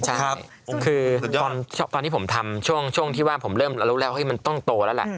ใช่คือตอนที่ผมทำช่วงที่ว่าผมเริ่มรู้แล้วมันต้องโตแล้วแหละ